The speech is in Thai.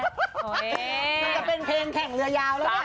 มันก็เป็นเพลงแข่งเหลือแล้วกัน